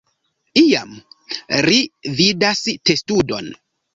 Iam, ri vidas testudon.